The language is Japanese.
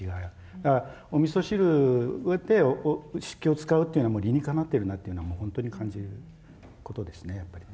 だからおみそ汁で漆器を使うっていうのはもう理にかなってるなっていうのはもうほんとに感じることですねやっぱりね。